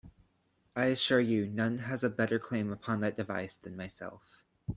I assure you, none has a better claim upon that device than myself.